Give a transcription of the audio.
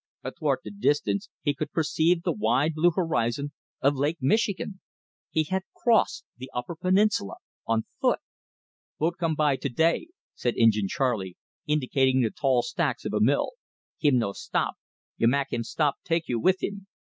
Athwart the distance he could perceive the wide blue horizon of Lake Michigan. He had crossed the Upper Peninsula on foot! "Boat come by to day," said Injin Charley, indicating the tall stacks of a mill. "Him no stop. You mak' him stop take you with him.